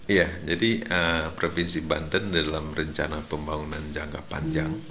iya jadi provinsi banten dalam rencana pembangunan jangka panjang